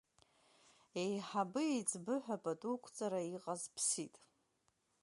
Еиҳабы-еиҵбы ҳәа апатуқәҵара иҟаз ԥсит.